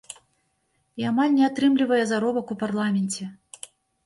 І амаль не атрымлівае заробак у парламенце.